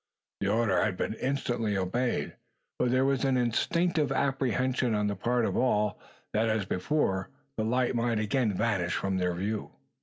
The order had been instantly obeyed; for there was an instinctive apprehension on the part of all that, as before, the light might again vanish from their view.